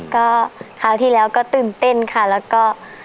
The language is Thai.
ก็คราวที่แล้วก็ตื่นเต้นค่ะแล้วก็